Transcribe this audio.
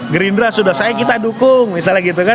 gerindra sudah saya kita dukung misalnya gitu kan